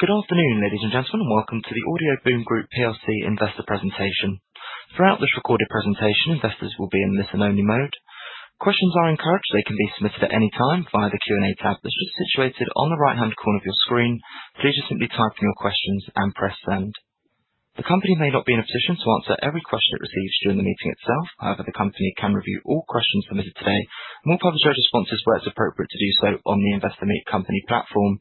Good afternoon, ladies and gentlemen, and welcome to the Audioboom Group investor presentation. Throughout this recorded presentation, investors will be in listen-only mode. Questions are encouraged; they can be submitted at any time via the Q&A tab that is just situated on the right-hand corner of your screen. Please just simply type in your questions and press send. The company may not be in a position to answer every question it receives during the meeting itself. However, the company can review all questions submitted today, more publicly addressed responses where it is appropriate to do so on the Investor Meet Company platform.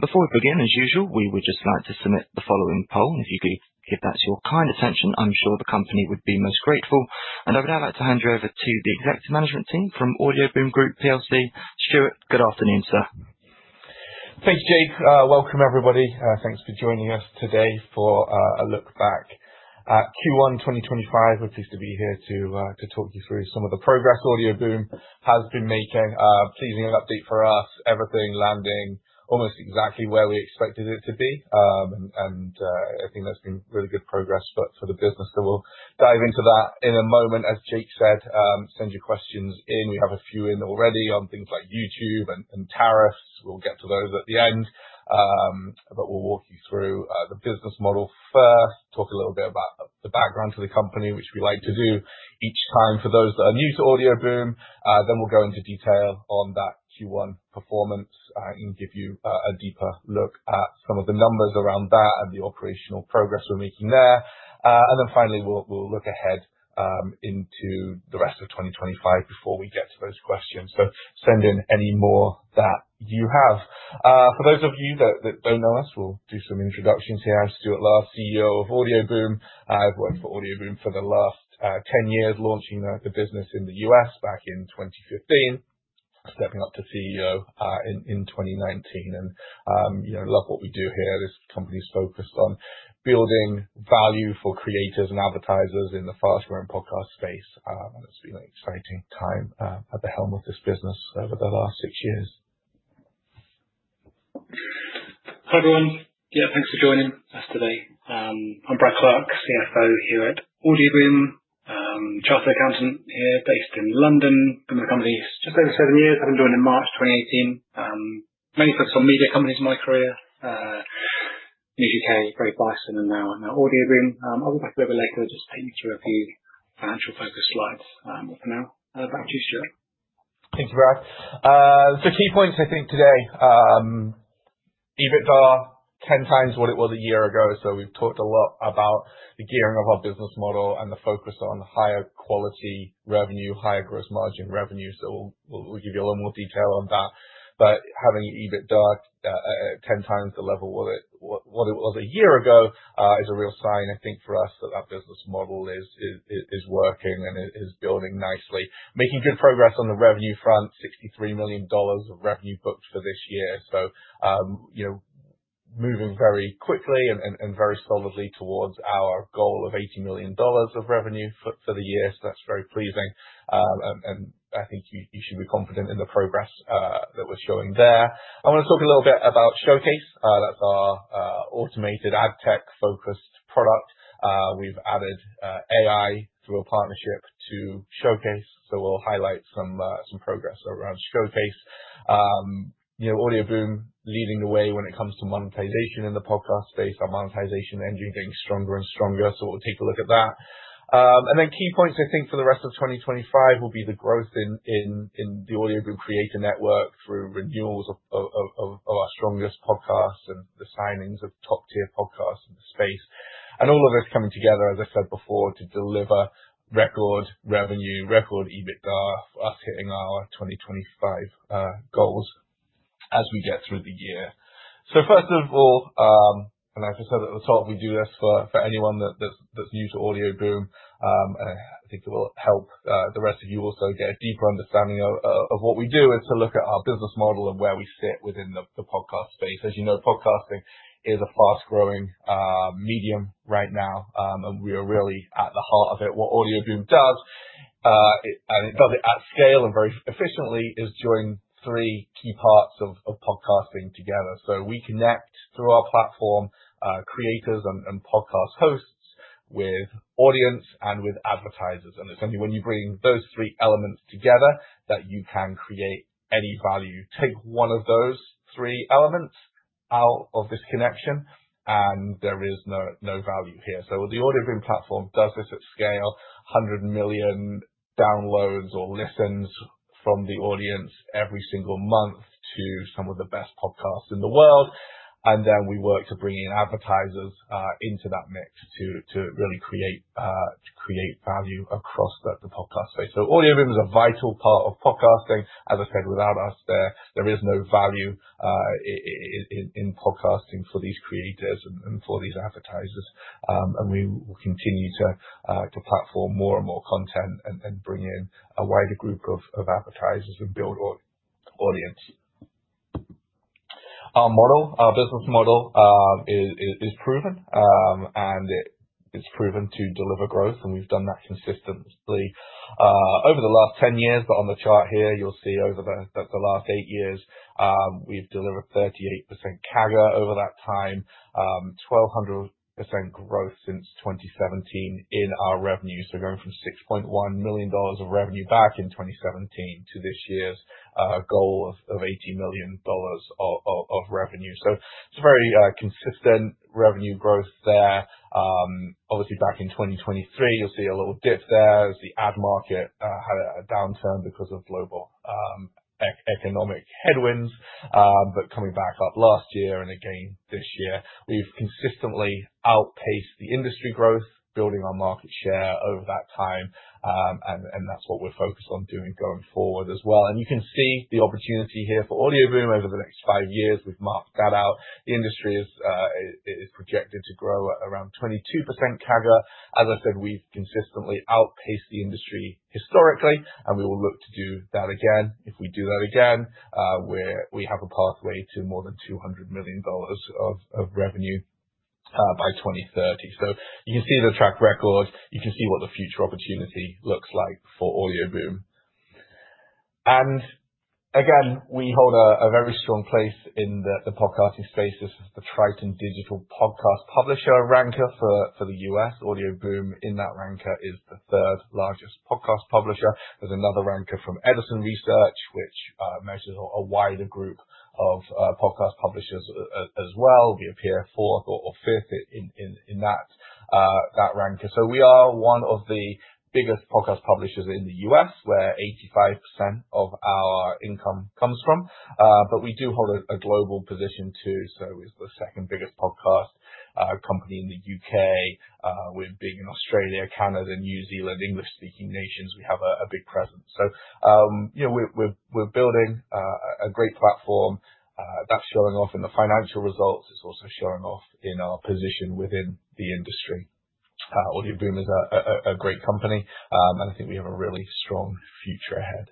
Before we begin, as usual, we would just like to submit the following poll, and if you could give that your kind attention, I am sure the company would be most grateful. I would now like to hand you over to the executive management team from Audioboom Group. Stuart, good afternoon, sir. Thank you, Jake. Welcome, everybody. Thanks for joining us today for a look back at Q1 2025. We're pleased to be here to talk you through some of the progress Audioboom has been making. Pleasing update for us, everything landing almost exactly where we expected it to be. I think that's been really good progress for the business. We'll dive into that in a moment. As Jake said, send your questions in. We have a few in already on things like YouTube and tariffs. We'll get to those at the end. We'll walk you through the business model first, talk a little bit about the background to the company, which we like to do each time for those that are new to Audioboom. We'll go into detail on that Q1 performance and give you a deeper look at some of the numbers around that and the operational progress we're making there. Finally, we'll look ahead into the rest of 2025 before we get to those questions. Send in any more that you have. For those of you that don't know us, we'll do some introductions here. I'm Stuart Last, CEO of Audioboom. I've worked for Audioboom for the last 10 years, launching the business in the U.S. back in 2015, stepping up to CEO in 2019. I love what we do here. This company is focused on building value for creators and advertisers in the fast-growing podcast space. It's been an exciting time at the helm of this business over the last six years. Hi everyone. Yeah, thanks for joining us today. I'm Brad Clarke, CFO here at Audioboom, chartered accountant here based in London. Been with the company just over seven years. I joined in March 2018. Mainly focused on media companies in my career. New U.K., Very Bison and now Audioboom. I'll be back a little bit later just taking you through a few financial-focused slides. For now, back to you, Stuart. Thank you, Brad. Key points, I think, today, EBITDA 10 times what it was a year ago. We have talked a lot about the gearing of our business model and the focus on higher quality revenue, higher gross margin revenue. We will give you a little more detail on that. Having EBITDA 10 times the level of what it was a year ago is a real sign, I think, for us that that business model is working and is building nicely. Making good progress on the revenue front, $63 million of revenue booked for this year. Moving very quickly and very solidly towards our goal of $80 million of revenue for the year. That is very pleasing. I think you should be confident in the progress that we are showing there. I want to talk a little bit about Showcase. That is our automated ad tech-focused product. We've added AI through a partnership to Showcase. We'll highlight some progress around Showcase. Audioboom leading the way when it comes to monetization in the podcast space. Our monetization engine is getting stronger and stronger. We'll take a look at that. Key points, I think, for the rest of 2025 will be the growth in the Audioboom Creator Network through renewals of our strongest podcasts and the signings of top-tier podcasts in the space. All of this coming together, as I said before, to deliver record revenue, record EBITDA, us hitting our 2025 goals as we get through the year. First of all, like I said at the top, we do this for anyone that's new to Audioboom. I think it will help the rest of you also get a deeper understanding of what we do is to look at our business model and where we sit within the podcast space. As you know, podcasting is a fast-growing medium right now. We are really at the heart of it. What Audioboom does, and it does it at scale and very efficiently, is join three key parts of podcasting together. We connect through our platform creators and podcast hosts with audience and with advertisers. It is only when you bring those three elements together that you can create any value. Take one of those three elements out of this connection, and there is no value here. The Audioboom platform does this at scale, 100 million downloads or listens from the audience every single month to some of the best podcasts in the world. We work to bring in advertisers into that mix to really create value across the podcast space. Audioboom is a vital part of podcasting. As I said, without us, there is no value in podcasting for these creators and for these advertisers. We will continue to platform more and more content and bring in a wider group of advertisers and build audience. Our model, our business model is proven, and it's proven to deliver growth. We've done that consistently over the last 10 years. On the chart here, you'll see over the last eight years, we've delivered 38% CAGR over that time, 1,200% growth since 2017 in our revenue. Going from $6.1 million of revenue back in 2017 to this year's goal of $80 million of revenue. It is a very consistent revenue growth there. Obviously, back in 2023, you'll see a little dip there. The ad market had a downturn because of global economic headwinds. Coming back up last year and again this year, we've consistently outpaced the industry growth, building our market share over that time. That is what we're focused on doing going forward as well. You can see the opportunity here for Audioboom over the next five years. We've marked that out. The industry is projected to grow at around 22% CAGR. As I said, we've consistently outpaced the industry historically, and we will look to do that again. If we do that again, we have a pathway to more than $200 million of revenue by 2030. You can see the track record. You can see what the future opportunity looks like for Audioboom. Again, we hold a very strong place in the podcasting space. This is the Triton Digital Podcast Publisher Ranker for the U.S. Audioboom in that ranker is the third largest podcast publisher. There's another ranker from Edison Research, which measures a wider group of podcast publishers as well. We appear fourth or fifth in that ranker. We are one of the biggest podcast publishers in the U.S., where 85% of our income comes from. We do hold a global position too. We are the second biggest podcast company in the U.K. We're big in Australia, Canada, New Zealand, English-speaking nations. We have a big presence. We're building a great platform that's showing off in the financial results. It's also showing off in our position within the industry. Audioboom is a great company, and I think we have a really strong future ahead.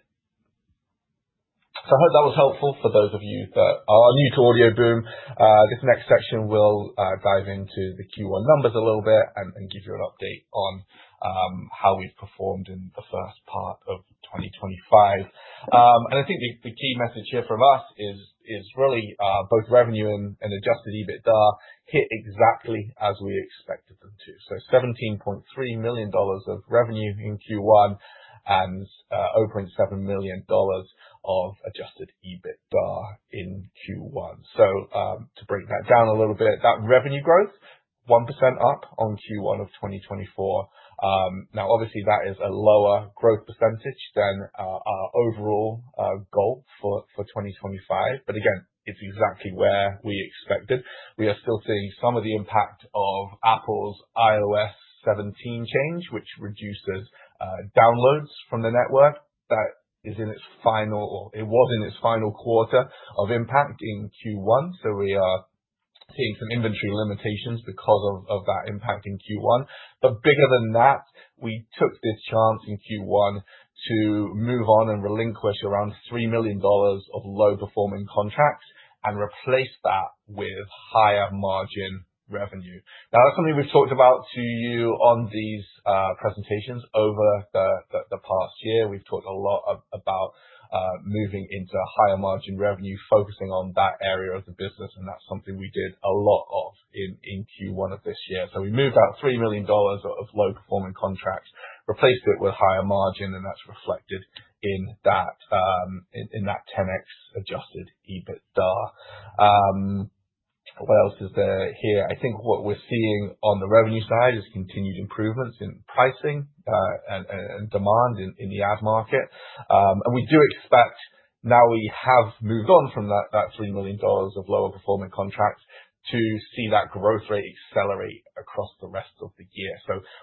I hope that was helpful for those of you that are new to Audioboom. This next section will dive into the Q1 numbers a little bit and give you an update on how we've performed in the first part of 2025. I think the key message here from us is really both revenue and adjusted EBITDA hit exactly as we expected them to. $17.3 million of revenue in Q1 and $0.7 million of adjusted EBITDA in Q1. To break that down a little bit, that revenue growth, 1% up on Q1 of 2024. Now, obviously, that is a lower growth percentage than our overall goal for 2025. Again, it's exactly where we expected. We are still seeing some of the impact of Apple's iOS 17 change, which reduces downloads from the network. That is in its final, or it was in its final quarter of impact in Q1. We are seeing some inventory limitations because of that impact in Q1. Bigger than that, we took this chance in Q1 to move on and relinquish around $3 million of low-performing contracts and replace that with higher margin revenue. Now, that's something we've talked about to you on these presentations over the past year. We've talked a lot about moving into higher margin revenue, focusing on that area of the business. That's something we did a lot of in Q1 of this year. We moved out $3 million of low-performing contracts, replaced it with higher margin, and that's reflected in that 10x adjusted EBITDA. What else is there here? I think what we're seeing on the revenue side is continued improvements in pricing and demand in the ad market. We do expect now we have moved on from that $3 million of lower-performing contracts to see that growth rate accelerate across the rest of the year.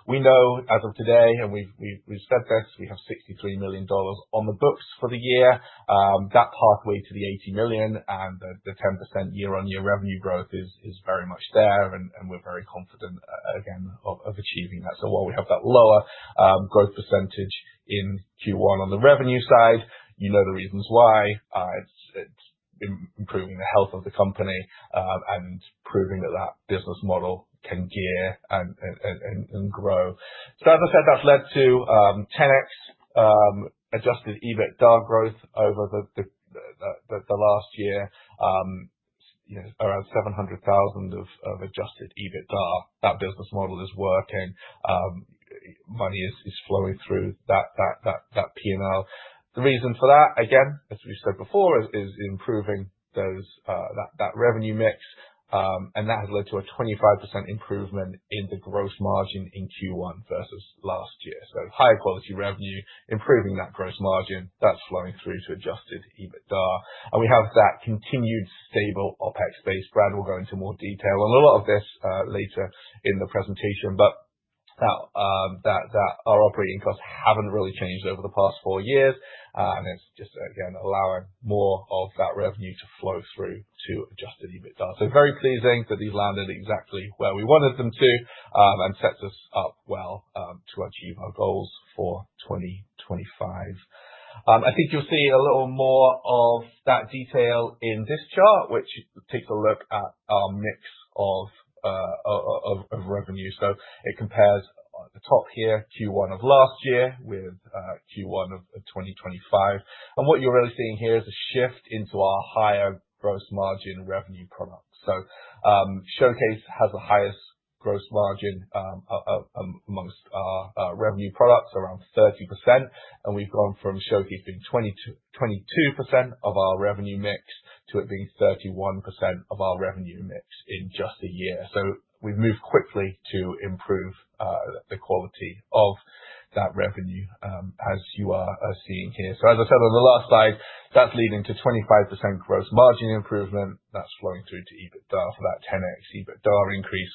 We know as of today, and we've said this, we have $63 million on the books for the year. That pathway to the $80 million and the 10% year-on-year revenue growth is very much there. We're very confident, again, of achieving that. While we have that lower growth percentage in Q1 on the revenue side, you know the reasons why. It's improving the health of the company and proving that that business model can gear and grow. As I said, that's led to 10x adjusted EBITDA growth over the last year, around $700,000 of adjusted EBITDA. That business model is working. Money is flowing through that P&L. The reason for that, again, as we've said before, is improving that revenue mix. That has led to a 25% improvement in the gross margin in Q1 versus last year. Higher quality revenue, improving that gross margin, that's flowing through to adjusted EBITDA. We have that continued stable OPEX base. Brad will go into more detail on a lot of this later in the presentation. Our operating costs haven't really changed over the past four years. It's just, again, allowing more of that revenue to flow through to adjusted EBITDA. Very pleasing that these landed exactly where we wanted them to and sets us up well to achieve our goals for 2025. I think you'll see a little more of that detail in this chart, which takes a look at our mix of revenue. It compares the top here, Q1 of last year with Q1 of 2025. What you're really seeing here is a shift into our higher gross margin revenue products. Showcase has the highest gross margin amongst our revenue products, around 30%. We've gone from Showcase being 22% of our revenue mix to it being 31% of our revenue mix in just a year. We've moved quickly to improve the quality of that revenue, as you are seeing here. As I said on the last slide, that's leading to 25% gross margin improvement. That's flowing through to EBITDA for that 10x EBITDA increase.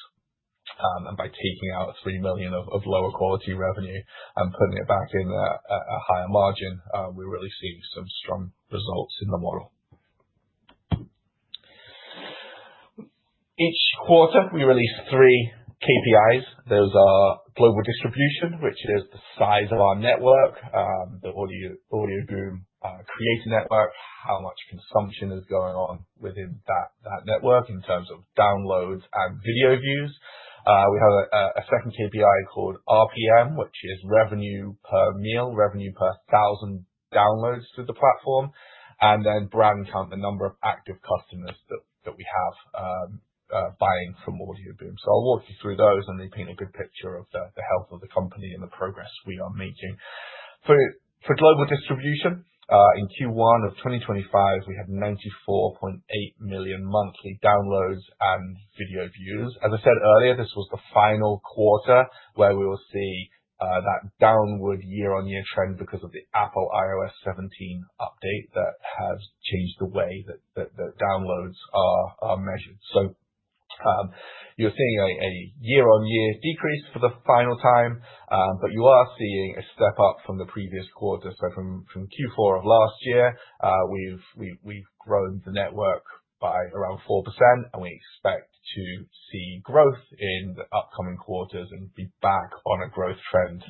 By taking out $3 million of lower quality revenue and putting it back in at a higher margin, we're really seeing some strong results in the model. Each quarter, we release three KPIs. Those are global distribution, which is the size of our network, the Audioboom Creator Network, how much consumption is going on within that network in terms of downloads and video views. We have a second KPI called RPM, which is revenue per mille, revenue per 1,000 downloads to the platform. And then brand count, the number of active customers that we have buying from Audioboom. I'll walk you through those and repaint a good picture of the health of the company and the progress we are making. For global distribution, in Q1 of 2025, we had 94.8 million monthly downloads and video views. As I said earlier, this was the final quarter where we will see that downward year-on-year trend because of the Apple iOS 17 update that has changed the way that downloads are measured. You are seeing a year-on-year decrease for the final time. You are seeing a step up from the previous quarter. From Q4 of last year, we've grown the network by around 4%. We expect to see growth in the upcoming quarters and be back on a growth trend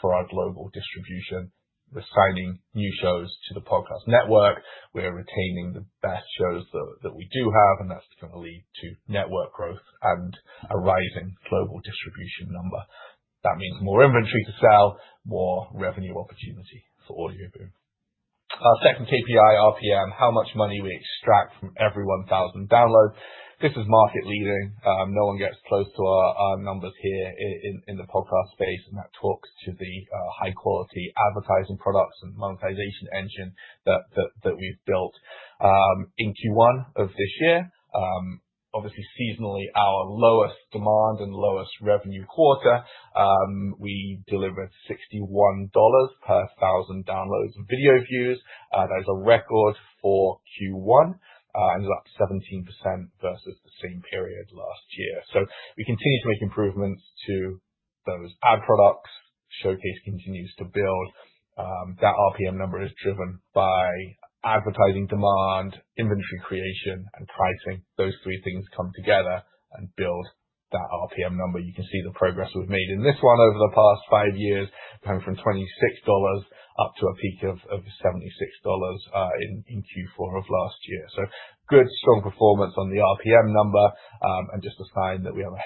for our global distribution. We're signing new shows to the podcast network. We're retaining the best shows that we do have. That's going to lead to network growth and a rising global distribution number. That means more inventory to sell, more revenue opportunity for Audioboom. Our second KPI, RPM, how much money we extract from every 1,000 downloads. This is market-leading. No one gets close to our numbers here in the podcast space. That talks to the high-quality advertising products and monetization engine that we've built in Q1 of this year. Obviously, seasonally, our lowest demand and lowest revenue quarter, we delivered $61 per 1,000 downloads and video views. That is a record for Q1. Ended up 17% versus the same period last year. We continue to make improvements to those ad products. Showcase continues to build. That RPM number is driven by advertising demand, inventory creation, and pricing. Those three things come together and build that RPM number. You can see the progress we have made in this one over the past five years, going from $26 up to a peak of $76 in Q4 of last year. Good, strong performance on the RPM number. Just a sign that we have a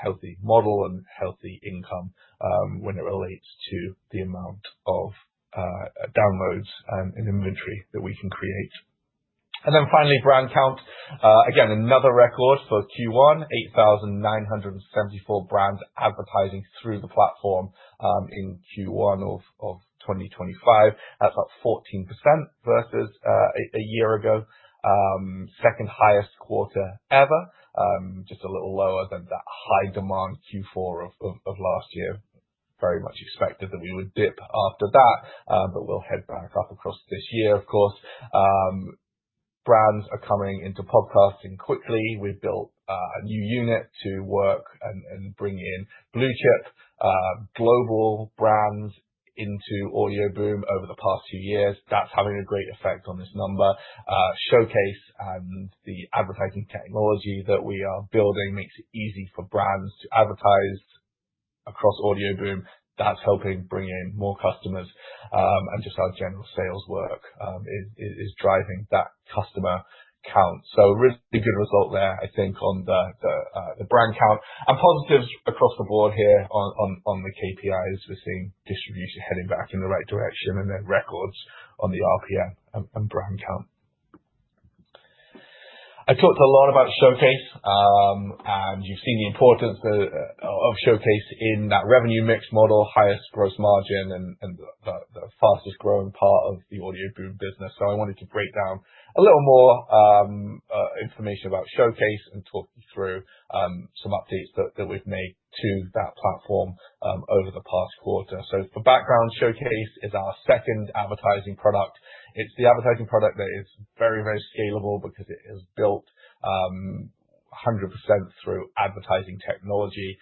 healthy model and healthy income when it relates to the amount of downloads and inventory that we can create. Finally, brand count. Again, another record for Q1, 8,974 brands advertising through the platform in Q1 of 2025. That's up 14% versus a year ago. Second highest quarter ever. Just a little lower than that high demand Q4 of last year. Very much expected that we would dip after that. We will head back up across this year, of course. Brands are coming into podcasting quickly. We've built a new unit to work and bring in blue chip global brands into Audioboom over the past few years. That's having a great effect on this number. Showcase and the advertising technology that we are building makes it easy for brands to advertise across Audioboom. That's helping bring in more customers. Just our general sales work is driving that customer count. A really good result there, I think, on the brand count. Positives across the board here on the KPIs. We're seeing distribution heading back in the right direction and then records on the RPM and brand count. I talked a lot about Showcase. You have seen the importance of Showcase in that revenue mix model, highest gross margin, and the fastest growing part of the Audioboom business. I wanted to break down a little more information about Showcase and talk you through some updates that we have made to that platform over the past quarter. For background, Showcase is our second advertising product. It is the advertising product that is very, very scalable because it is built 100% through advertising technology.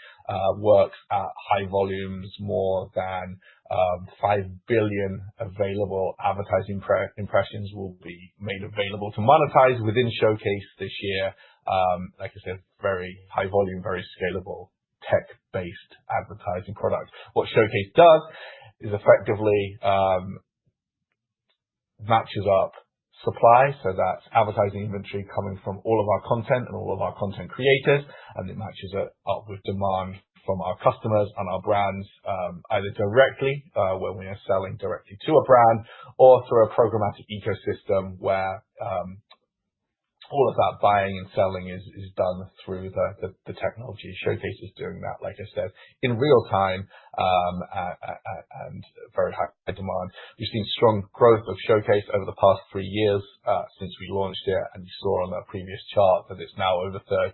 Works at high volumes. More than 5 billion available advertising impressions will be made available to monetize within Showcase this year. Like I said, very high volume, very scalable, tech-based advertising product. What Showcase does is effectively matches up supply. That is advertising inventory coming from all of our content and all of our content creators. It matches up with demand from our customers and our brands, either directly when we are selling directly to a brand or through a programmatic ecosystem where all of that buying and selling is done through the technology. Showcase is doing that, like I said, in real time and very high demand. We have seen strong growth of Showcase over the past three years since we launched it. You saw on that previous chart that it is now over 30%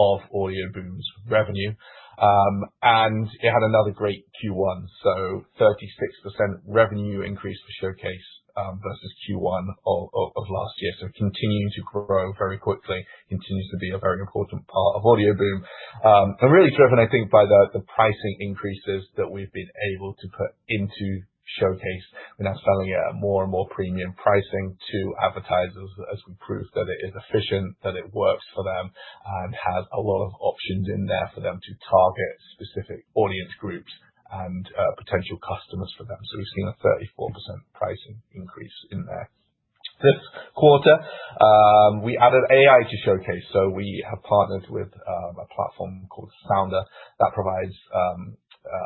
of Audioboom's revenue. It had another great Q1. There was a 36% revenue increase for Showcase versus Q1 of last year. Continuing to grow very quickly, it continues to be a very important part of Audioboom. Really driven, I think, by the pricing increases that we have been able to put into Showcase. We're now selling at more and more premium pricing to advertisers as we prove that it is efficient, that it works for them, and has a lot of options in there for them to target specific audience groups and potential customers for them. We have seen a 34% pricing increase in there. This quarter, we added AI to Showcase. We have partnered with a platform called Sounder. That provides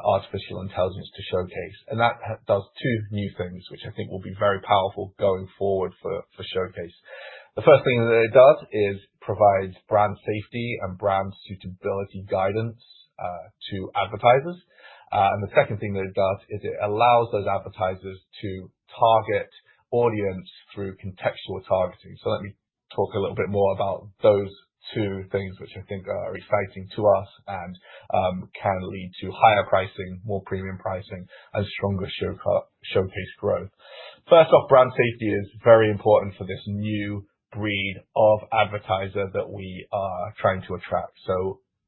artificial intelligence to Showcase. That does two new things, which I think will be very powerful going forward for Showcase. The first thing that it does is provides brand safety and brand suitability guidance to advertisers. The second thing that it does is it allows those advertisers to target audience through contextual targeting. Let me talk a little bit more about those two things, which I think are exciting to us and can lead to higher pricing, more premium pricing, and stronger Showcase growth. First off, brand safety is very important for this new breed of advertiser that we are trying to attract.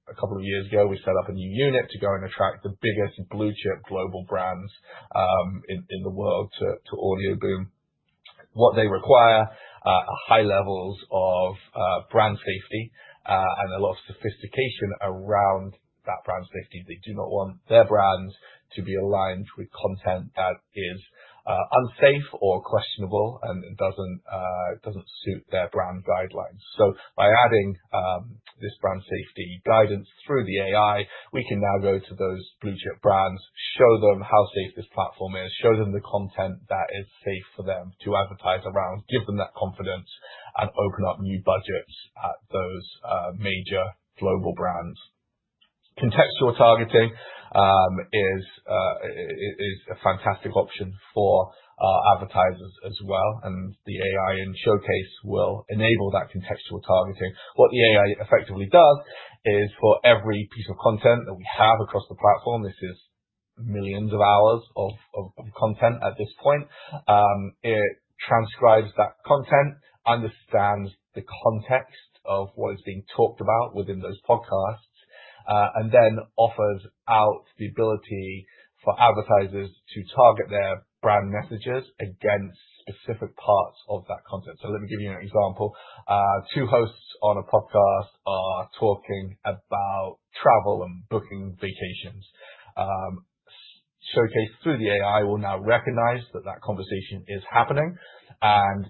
A couple of years ago, we set up a new unit to go and attract the biggest blue chip global brands in the world to Audioboom. What they require are high levels of brand safety and a lot of sophistication around that brand safety. They do not want their brands to be aligned with content that is unsafe or questionable and does not suit their brand guidelines. By adding this brand safety guidance through the AI, we can now go to those blue chip brands, show them how safe this platform is, show them the content that is safe for them to advertise around, give them that confidence, and open up new budgets at those major global brands. Contextual targeting is a fantastic option for our advertisers as well. The AI in Showcase will enable that contextual targeting. What the AI effectively does is for every piece of content that we have across the platform, this is millions of hours of content at this point, it transcribes that content, understands the context of what is being talked about within those podcasts, and then offers out the ability for advertisers to target their brand messages against specific parts of that content. Let me give you an example. Two hosts on a podcast are talking about travel and booking vacations. Showcase through the AI will now recognize that that conversation is happening.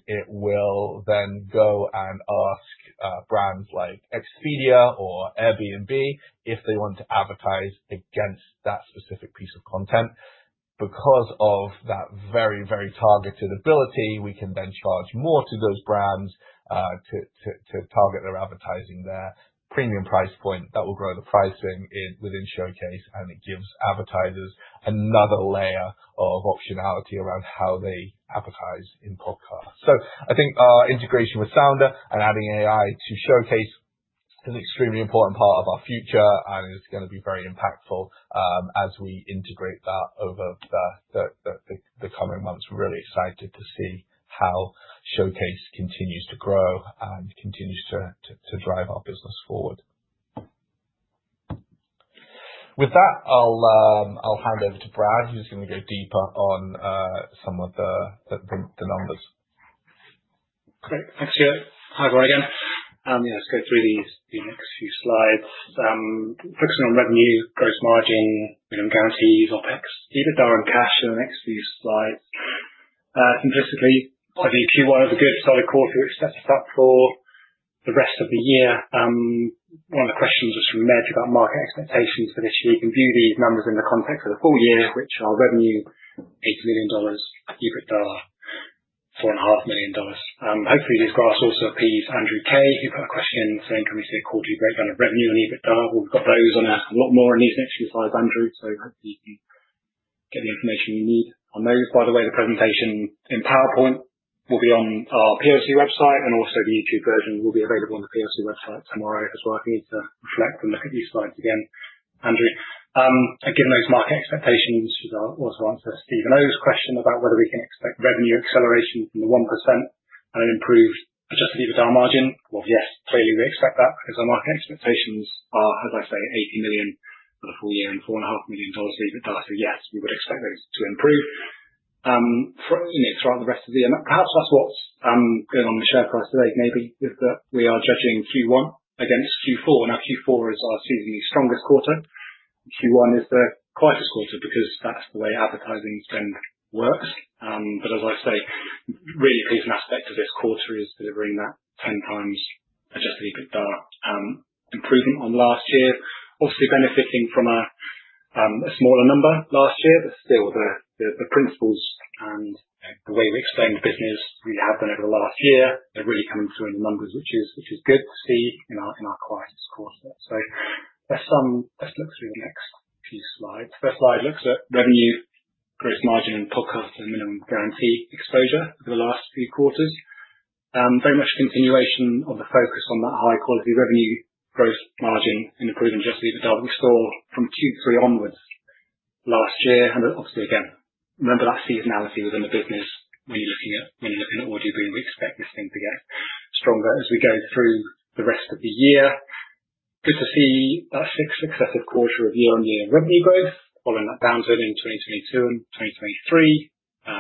It will then go and ask brands like Expedia or Airbnb if they want to advertise against that specific piece of content. Because of that very, very targeted ability, we can then charge more to those brands to target their advertising there. Premium price point that will grow the pricing within Showcase. It gives advertisers another layer of optionality around how they advertise in podcasts. I think our integration with Sounder and adding AI to Showcase is an extremely important part of our future. It is going to be very impactful as we integrate that over the coming months. We are really excited to see how Showcase continues to grow and continues to drive our business forward. With that, I'll hand over to Brad, who's going to go deeper on some of the numbers. Great. Thanks, Stuart. Hi, Brad again. Yeah, let's go through the next few slides. Focusing on revenue, gross margin, minimum guarantees, OpEx, EBITDA, and cash in the next few slides. Simplistically, I view Q1 as a good solid quarter, which sets us up for the rest of the year. One of the questions was from Meg about market expectations for this year. You can view these numbers in the context of the full year, which are revenue $8 million, EBITDA $4.5 million. Hopefully, these graphs also appease Andrew Kay, who put a question saying, "Can we see a quarterly breakdown of revenue and EBITDA?" We've got those on a lot more in these next few slides, Andrew. Hopefully, you can get the information you need on those. By the way, the presentation in PowerPoint will be on our POC website. Also, the YouTube version will be available on the POC website tomorrow as well. If you need to reflect and look at these slides again, Andrew. Given those market expectations, also answer Stephen O's question about whether we can expect revenue acceleration from the 1% and an improved adjusted EBITDA margin. Yes, clearly, we expect that because our market expectations are, as I say, $80 million for the full year and $4.5 million for EBITDA. Yes, we would expect those to improve throughout the rest of the year. Perhaps that's what's going on with share price today, maybe, is that we are judging Q1 against Q4. Now, Q4 is our seasonally strongest quarter. Q1 is the quietest quarter because that's the way advertising spend works. As I say, a really pleasing aspect of this quarter is delivering that 10 times adjusted EBITDA improvement on last year. Obviously, benefiting from a smaller number last year. Still, the principles and the way we explained business we have done over the last year, they're really coming through in the numbers, which is good to see in our quietest quarter. Let's look through the next few slides. The first slide looks at revenue, gross margin, and podcast and minimum guarantee exposure over the last few quarters. Very much a continuation of the focus on that high-quality revenue, gross margin, and improved adjusted EBITDA we saw from Q3 onwards last year. Obviously, again, remember that seasonality within the business when you're looking at Audioboom. We expect this thing to get stronger as we go through the rest of the year. Good to see that sixth successive quarter of year-on-year revenue growth, following that downturn in 2022 and 2023.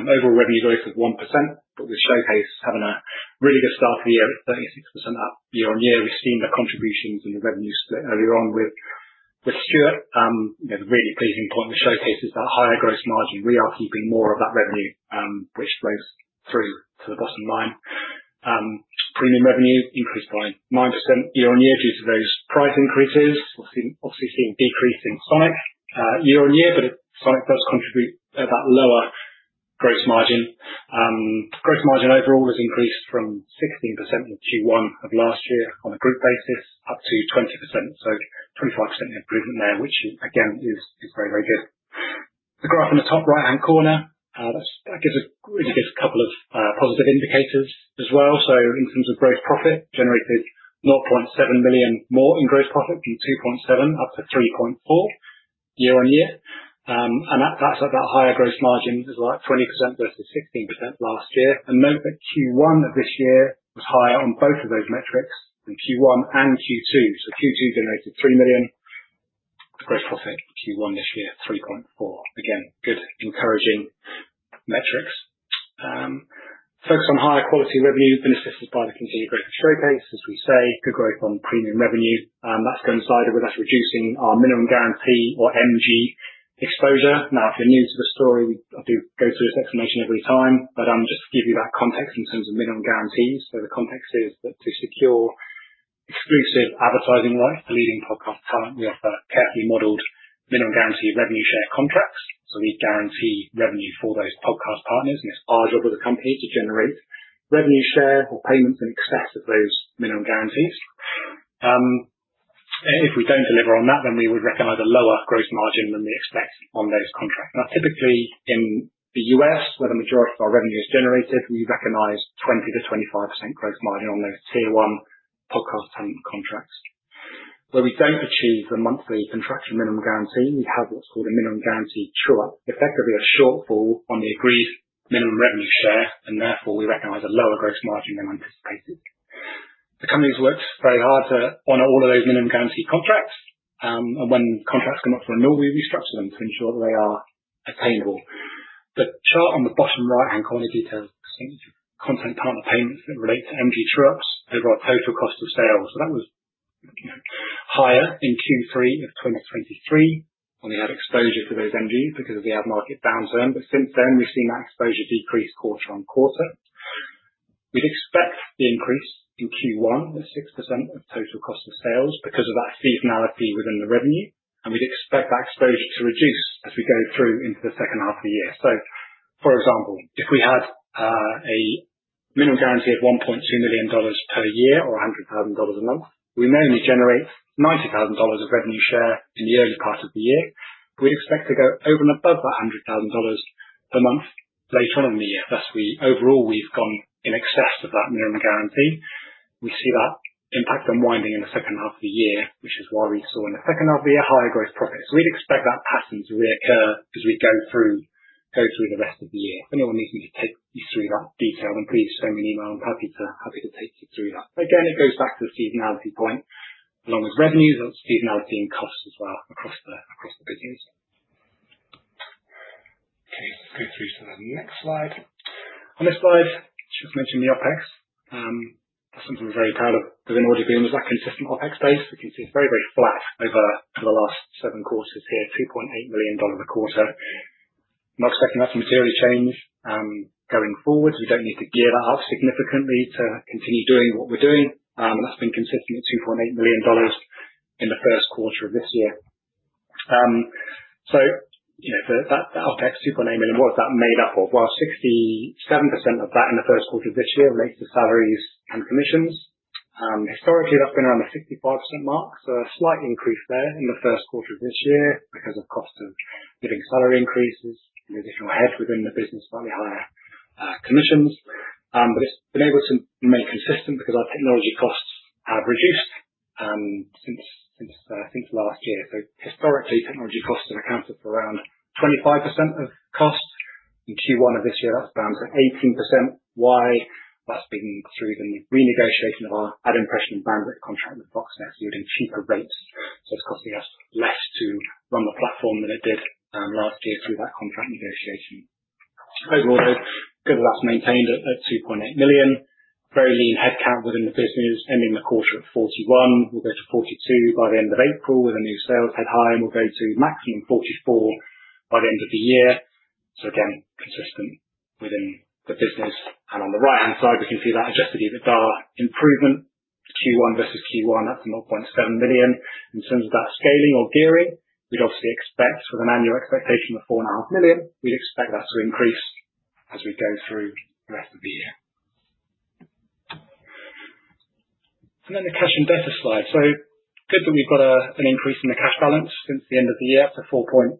Overall revenue growth of 1%. With Showcase having a really good start to the year at 36% up year-on-year, we've seen the contributions and the revenue split earlier on with Stuart. The really pleasing point with Showcase is that higher gross margin, we are keeping more of that revenue, which flows through to the bottom line. Premium revenue increased by 9% year-on-year due to those price increases. We're obviously seeing decrease in Sonic year-on-year, but Sonic does contribute at that lower gross margin. Gross margin overall has increased from 16% in Q1 of last year on a group basis up to 20%. That is a 25% improvement there, which again is very, very good. The graph in the top right-hand corner, that really gives a couple of positive indicators as well. In terms of gross profit, generated $0.7 million more in gross profit from $2.7 million up to $3.4 million year-on-year. That's at that higher gross margin as well, 20% versus 16% last year. Note that Q1 of this year was higher on both of those metrics than Q1 and Q2. Q2 generated $3 million gross profit, Q1 this year $3.4 million. Again, good, encouraging metrics. Focus on higher quality revenue benefited by the continued growth of Showcase, as we say. Good growth on premium revenue. That's coincided with us reducing our minimum guarantee or MG exposure. Now, if you're new to the story, I do go through this explanation every time. Just to give you that context in terms of minimum guarantees, the context is that to secure exclusive advertising rights to leading podcast talent, we offer carefully modeled minimum guarantee revenue share contracts. We guarantee revenue for those podcast partners. It is our job as a company to generate revenue share or payments in excess of those minimum guarantees. If we do not deliver on that, then we would recognize a lower gross margin than we expect on those contracts. Typically in the U.S., where the majority of our revenue is generated, we recognize 20%-25% gross margin on those tier-one podcast talent contracts. Where we do not achieve the monthly contractual minimum guarantee, we have what is called a minimum guarantee true-up, effectively a shortfall on the agreed minimum revenue share. Therefore, we recognize a lower gross margin than anticipated. The company has worked very hard to honor all of those minimum guarantee contracts. When contracts come up for renewal, we restructure them to ensure that they are attainable. The chart on the bottom right-hand corner details the percentage of content partner payments that relate to MG true-ups over our total cost of sales. That was higher in Q3 of 2023 when we had exposure to those MGs because of the ad market downturn. Since then, we've seen that exposure decrease quarter on quarter. We'd expect the increase in Q1 at 6% of total cost of sales because of that seasonality within the revenue. We'd expect that exposure to reduce as we go through into the second half of the year. For example, if we had a minimum guarantee of $1.2 million per year or $100,000 a month, we may only generate $90,000 of revenue share in the early part of the year. We'd expect to go over and above that $100,000 a month later on in the year. Thus, overall, we've gone in excess of that minimum guarantee. We see that impact unwinding in the second half of the year, which is why we saw in the second half of the year higher gross profits. We'd expect that pattern to reoccur as we go through the rest of the year. If anyone needs me to take you through that detail, then please send me an email. I'm happy to take you through that. Again, it goes back to the seasonality point. Along with revenues, that's seasonality and costs as well across the business. Okay, let's go through to the next slide. On this slide, I should mention the OpEx. That's something we're very proud of within Audioboom. It's that consistent OpEx base. We can see it's very, very flat over the last seven quarters here, $2.8 million a quarter. I'm not expecting that to materially change going forward. We do not need to gear that up significantly to continue doing what we are doing. That has been consistent at $2.8 million in the first quarter of this year. That OpEx, $2.8 million, what is that made up of? 67% of that in the first quarter of this year relates to salaries and commissions. Historically, that has been around the 65% mark. A slight increase there in the first quarter of this year because of cost of living salary increases. If you are ahead within the business, slightly higher commissions. It has been able to remain consistent because our technology costs have reduced since last year. Historically, technology costs have accounted for around 25% of costs. In Q1 of this year, that is down to 18%. Why? That has been through the renegotiation of our ad impression and bandwidth contract with FoxNet yielding cheaper rates. It's costing us less to run the platform than it did last year through that contract negotiation. Overall, though, because of that's maintained at $2.8 million. Very lean headcount within the business ending the quarter at 41. We'll go to 42 by the end of April with a new sales head high. We'll go to maximum 44 by the end of the year. Again, consistent within the business. On the right-hand side, we can see that adjusted EBITDA improvement. Q1 versus Q1, that's $0.7 million. In terms of that scaling or gearing, we'd obviously expect with an annual expectation of $4.5 million, we'd expect that to increase as we go through the rest of the year. The cash and debtor slide. Good that we've got an increase in the cash balance since the end of the year up to $4.3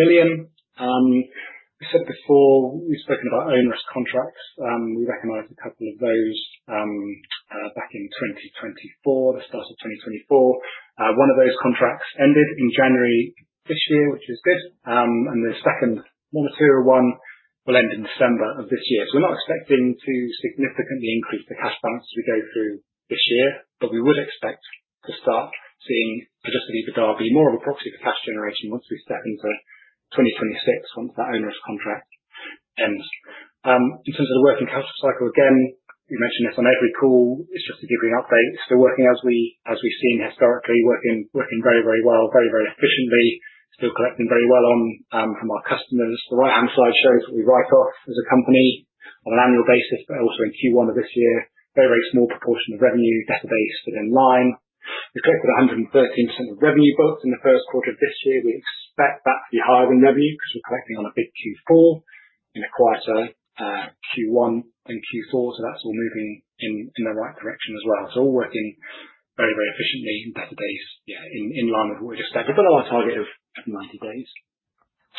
million. We said before, we've spoken about onerous contracts. We recognize a couple of those back in 2024, the start of 2024. One of those contracts ended in January this year, which is good. The second, more material one, will end in December of this year. We are not expecting to significantly increase the cash balance as we go through this year. We would expect to start seeing adjusted EBITDA be more of a proxy for cash generation once we step into 2026, once that onerous contract ends. In terms of the working capital cycle, again, we mentioned this on every call. It is just to give you an update. It is still working as we have seen historically, working very, very well, very, very efficiently, still collecting very well from our customers. The right-hand slide shows what we write off as a company on an annual basis, but also in Q1 of this year, very, very small proportion of revenue, database within line. We've collected 113% of revenue booked in the first quarter of this year. We expect that to be higher than revenue because we're collecting on a big Q4 in a quieter Q1 and Q4. That's all moving in the right direction as well. All working very, very efficiently in better days, yeah, in line with what we just said. We've got our target of 90 days.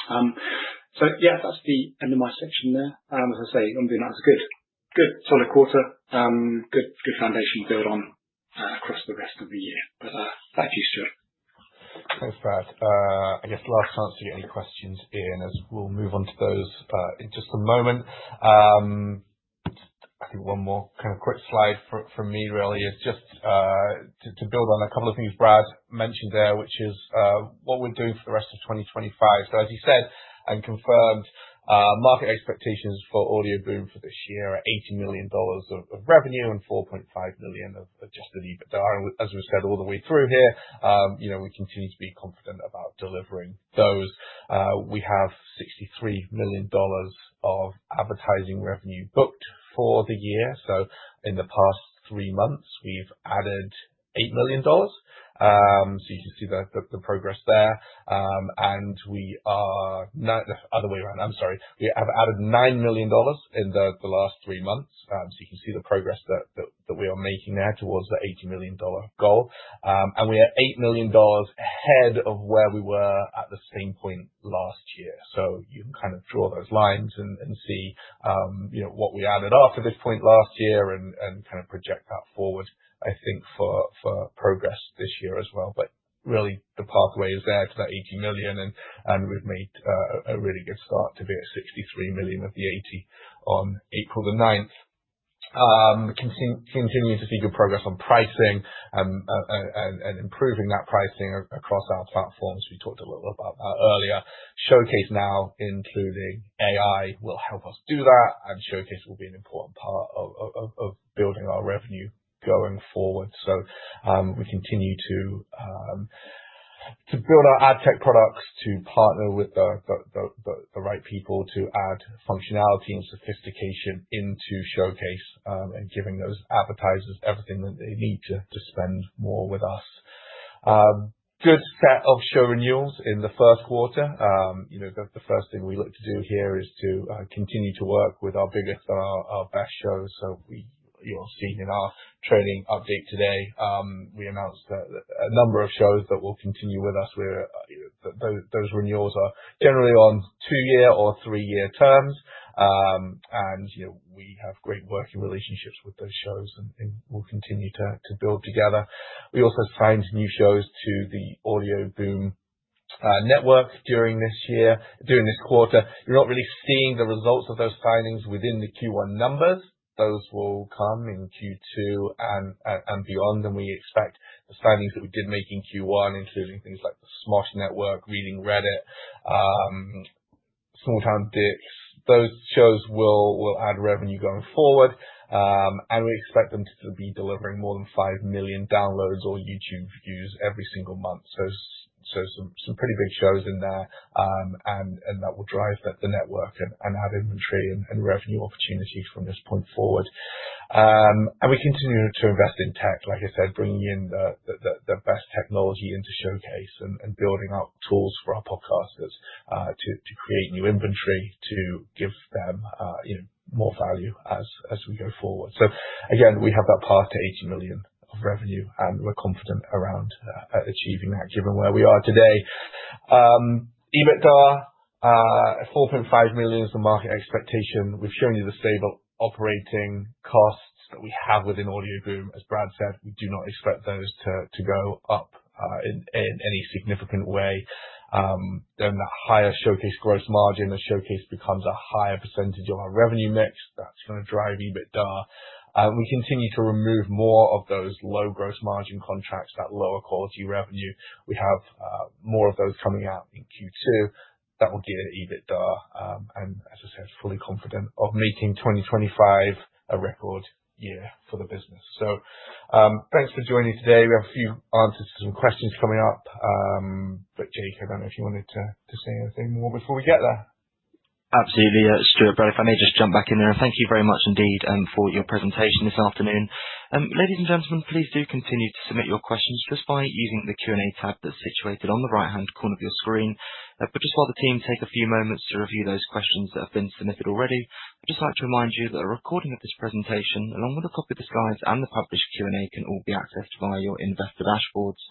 That's the end of my section there. As I say, I'm doing that as a good solid quarter, good foundation to build on across the rest of the year. Thank you, Stuart. Thanks, Brad. I guess last chance to get any questions in, as we'll move on to those in just a moment. I think one more kind of quick slide from me, really, is just to build on a couple of things Brad mentioned there, which is what we're doing for the rest of 2025. As you said and confirmed, market expectations for Audioboom for this year are $80 million of revenue and $4.5 million of adjusted EBITDA. As we've said all the way through here, we continue to be confident about delivering those. We have $63 million of advertising revenue booked for the year. In the past three months, we've added $8 million. You can see the progress there. We are the other way around. I'm sorry. We have added $9 million in the last three months. You can see the progress that we are making there towards the $80 million goal. We are $8 million ahead of where we were at the same point last year. You can kind of draw those lines and see what we added after this point last year and kind of project that forward, I think, for progress this year as well. Really, the pathway is there to that $80 million. We have made a really good start to be at $63 million of the $80 million on April 9. Continuing to see good progress on pricing and improving that pricing across our platforms. We talked a little about that earlier. Showcase, now including AI, will help us do that. Showcase will be an important part of building our revenue going forward. We continue to build our ad tech products to partner with the right people to add functionality and sophistication into Showcase and giving those advertisers everything that they need to spend more with us. Good set of show renewals in the first quarter. The first thing we look to do here is to continue to work with our biggest and our best shows. You'll have seen in our trading update today, we announced a number of shows that will continue with us. Those renewals are generally on two-year or three-year terms. We have great working relationships with those shows, and we'll continue to build together. We also signed new shows to the Audioboom Network during this year, during this quarter. You're not really seeing the results of those signings within the Q1 numbers. Those will come in Q2 and beyond. We expect the signings that we did make in Q1, including things like the Smosh Network, Reading Reddit, Small Town Dicks, those shows will add revenue going forward. We expect them to be delivering more than 5 million downloads or YouTube views every single month. Some pretty big shows in there. That will drive the network and add inventory and revenue opportunities from this point forward. We continue to invest in tech, like I said, bringing in the best technology into Showcase and building out tools for our podcasters to create new inventory, to give them more value as we go forward. We have that path to $80 million of revenue. We're confident around achieving that, given where we are today. EBITDA, $4.5 million is the market expectation. We've shown you the stable operating costs that we have within Audioboom. As Brad said, we do not expect those to go up in any significant way. That higher Showcase gross margin, as Showcase becomes a higher percentage of our revenue mix, is going to drive EBITDA. We continue to remove more of those low gross margin contracts, that lower quality revenue. We have more of those coming out in Q2. That will gear EBITDA. As I said, fully confident of making 2025 a record year for the business. Thanks for joining today. We have a few answers to some questions coming up. Jake, I do not know if you wanted to say anything more before we get there. Absolutely. Stuart Last, if I may just jump back in there. Thank you very much indeed for your presentation this afternoon. Ladies and gentlemen, please do continue to submit your questions just by using the Q&A tab that is situated on the right-hand corner of your screen. Just while the team take a few moments to review those questions that have been submitted already, I would just like to remind you that a recording of this presentation, along with a copy of the slides and the published Q&A, can all be accessed via your investor dashboards.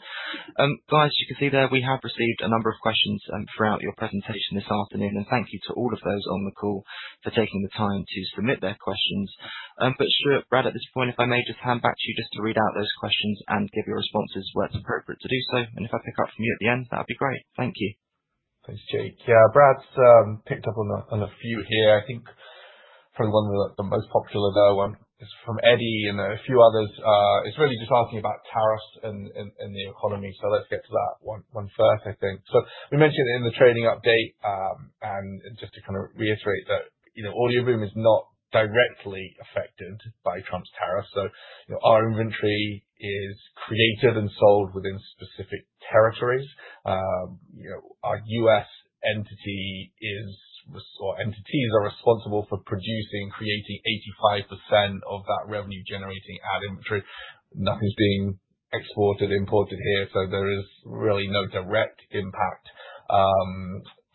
Guys, you can see there we have received a number of questions throughout your presentation this afternoon. Thank you to all of those on the call for taking the time to submit their questions. Stuart, Brad, at this point, if I may just hand back to you just to read out those questions and give your responses where it's appropriate to do so. If I pick up from you at the end, that would be great. Thank you. Thanks, Jake. Yeah, Brad's picked up on a few here. I think probably one of the most popular, though, one is from Eddie and a few others. It's really just asking about tariffs and the economy. Let's get to that one first, I think. We mentioned it in the trading update. Just to kind of reiterate, Audioboom is not directly affected by Trump's tariffs. Our inventory is created and sold within specific territories. Our U.S. entity or entities are responsible for producing and creating 85% of that revenue-generating ad inventory. Nothing's being exported or imported here. There is really no direct impact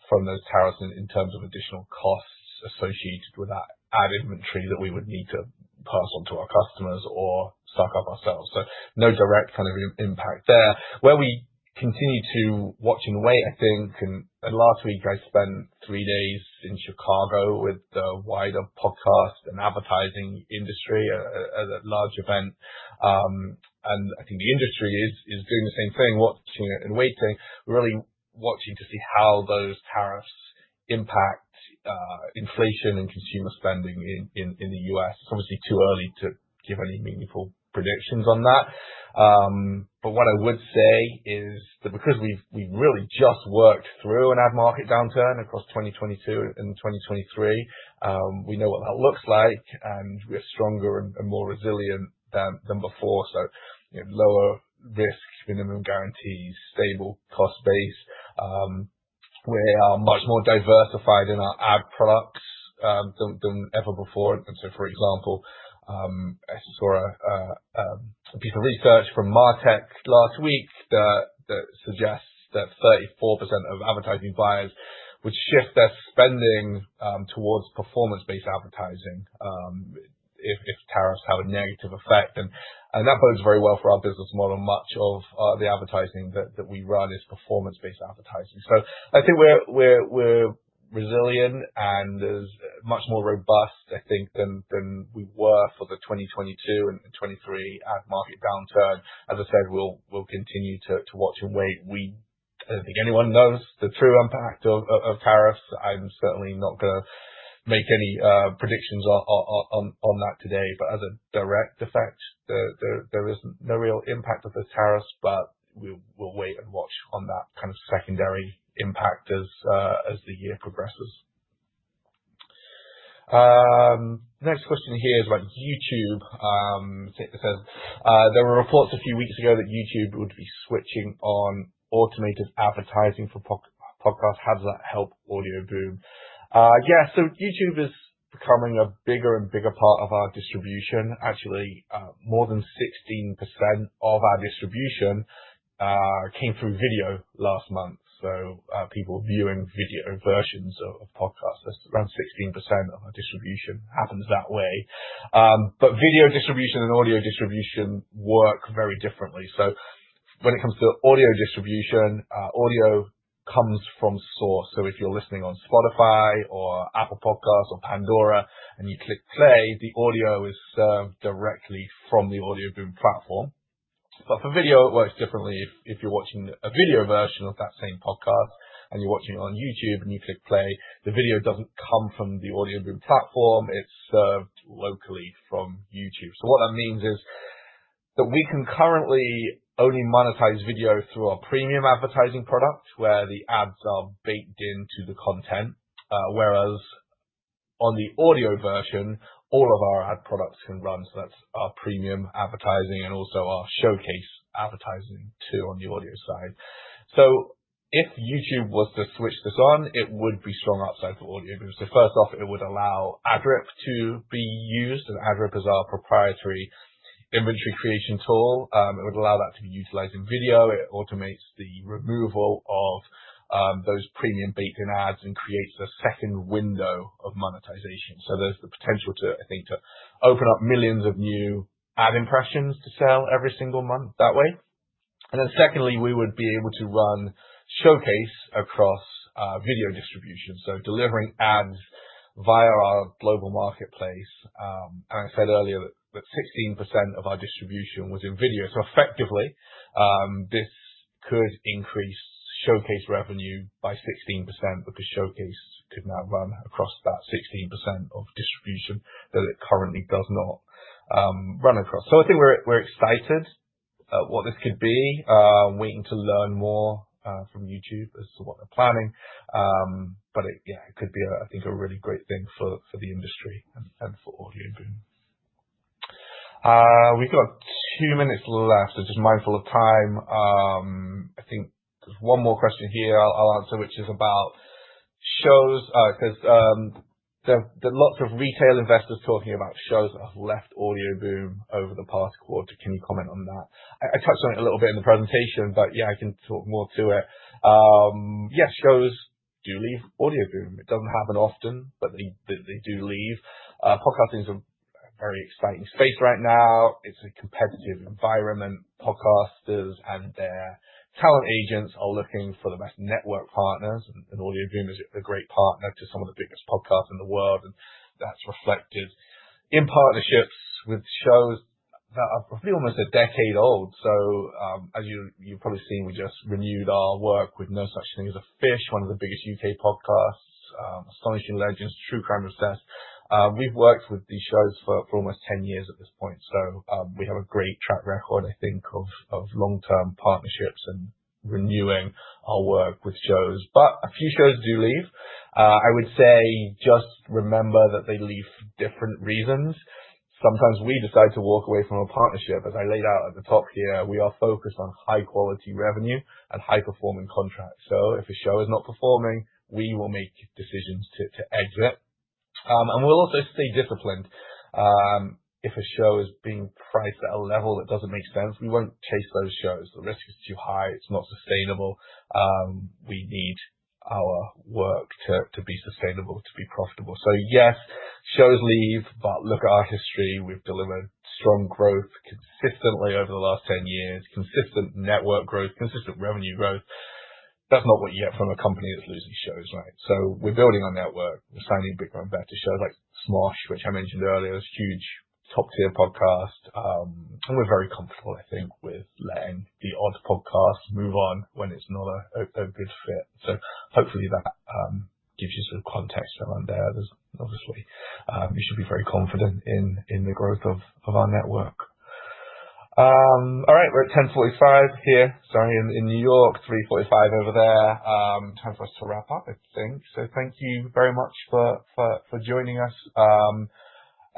from those tariffs in terms of additional costs associated with that ad inventory that we would need to pass on to our customers or stock up ourselves. No direct kind of impact there. Where we continue to watch and wait, I think. Last week, I spent three days in Chicago with the wider podcast and advertising industry at a large event. I think the industry is doing the same thing, watching and waiting, really watching to see how those tariffs impact inflation and consumer spending in the U.S. It's obviously too early to give any meaningful predictions on that. What I would say is that because we've really just worked through an ad market downturn across 2022 and 2023, we know what that looks like. We're stronger and more resilient than before. Lower risk, minimum guarantees, stable cost base. We are much more diversified in our ad products than ever before. For example, I saw a piece of research from MarTech last week that suggests that 34% of advertising buyers would shift their spending towards performance-based advertising if tariffs have a negative effect. That bodes very well for our business model. Much of the advertising that we run is performance-based advertising. I think we're resilient and much more robust, I think, than we were for the 2022 and 2023 ad market downturn. As I said, we'll continue to watch and wait. I don't think anyone knows the true impact of tariffs. I'm certainly not going to make any predictions on that today. As a direct effect, there is no real impact of those tariffs. We'll wait and watch on that kind of secondary impact as the year progresses. Next question here is about YouTube. It says, "There were reports a few weeks ago that YouTube would be switching on automated advertising for podcasts. How does that help Audioboom?" Yeah, YouTube is becoming a bigger and bigger part of our distribution. Actually, more than 16% of our distribution came through video last month. People viewing video versions of podcasts, around 16% of our distribution happens that way. Video distribution and audio distribution work very differently. When it comes to audio distribution, audio comes from source. If you're listening on Spotify or Apple Podcasts or Pandora, and you click play, the audio is served directly from the Audioboom platform. For video, it works differently. If you're watching a video version of that same podcast, and you're watching it on YouTube, and you click play, the video doesn't come from the Audioboom platform. It's served locally from YouTube. What that means is that we can currently only monetize video through our premium advertising product, where the ads are baked into the content. Whereas on the audio version, all of our ad products can run. That is our premium advertising and also our Showcase advertising too on the audio side. If YouTube was to switch this on, it would be strong outside for Audioboom. First off, it would allow AdRip to be used. AdRip is our proprietary inventory creation tool. It would allow that to be utilized in video. It automates the removal of those premium baked-in ads and creates a second window of monetization. There is the potential to, I think, open up millions of new ad impressions to sell every single month that way. Secondly, we would be able to run Showcase across video distribution. Delivering ads via our global marketplace. I said earlier that 16% of our distribution was in video. Effectively, this could increase Showcase revenue by 16% because Showcase could now run across that 16% of distribution that it currently does not run across. I think we are excited at what this could be. Waiting to learn more from YouTube as to what they are planning. Yeah, it could be, I think, a really great thing for the industry and for Audioboom. We have two minutes left. I am just mindful of time. I think there is one more question here I will answer, which is about shows. There are lots of retail investors talking about shows that have left Audioboom over the past quarter. Can you comment on that? I touched on it a little bit in the presentation. Yeah, I can talk more to it. Yeah, shows do leave Audioboom. It doesn't happen often, but they do leave. Podcasting is a very exciting space right now. It's a competitive environment. Podcasters and their talent agents are looking for the best network partners. Audioboom is a great partner to some of the biggest podcasts in the world. That's reflected in partnerships with shows that are probably almost a decade old. As you've probably seen, we just renewed our work with No Such Thing as a Fish, one of the biggest U.K. podcasts, Astonishing Legends, True Crime Obsessed. We've worked with these shows for almost 10 years at this point. We have a great track record, I think, of long-term partnerships and renewing our work with shows. A few shows do leave. I would say just remember that they leave for different reasons. Sometimes we decide to walk away from a partnership. As I laid out at the top here, we are focused on high-quality revenue and high-performing contracts. If a show is not performing, we will make decisions to exit. We'll also stay disciplined. If a show is being priced at a level that doesn't make sense, we won't chase those shows. The risk is too high. It's not sustainable. We need our work to be sustainable, to be profitable. Yes, shows leave. Look at our history. We've delivered strong growth consistently over the last 10 years, consistent network growth, consistent revenue growth. That's not what you get from a company that's losing shows, right? We're building our network. We're signing bigger and better shows like Smosh, which I mentioned earlier, is a huge top-tier podcast. We're very comfortable, I think, with letting the odd podcast move on when it's not a good fit. Hopefully that gives you some context around there. Obviously, we should be very confident in the growth of our network. All right, we're at 10:45 here, sorry, in New York, 3:45 over there. Time for us to wrap up, I think. Thank you very much for joining us.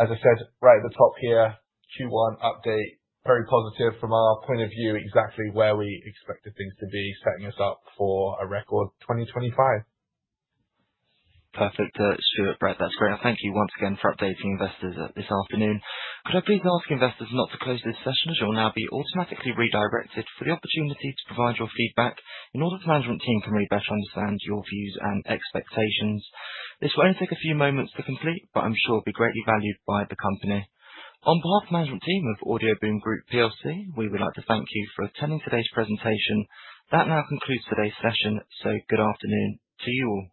As I said, right at the top here, Q1 update, very positive from our point of view, exactly where we expected things to be, setting us up for a record 2025. Perfect, Stuart Brad. That's great. Thank you once again for updating investors this afternoon. Could I please ask investors not to close this session? It will now be automatically redirected for the opportunity to provide your feedback in order for the management team to really better understand your views and expectations. This will only take a few moments to complete, but I'm sure it will be greatly valued by the company. On behalf of the management team of Audioboom Group, we would like to thank you for attending today's presentation. That now concludes today's session. Good afternoon to you all.